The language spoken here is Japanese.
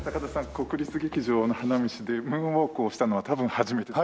国立劇場の花道でムーンウォークをしたのは多分初めてです。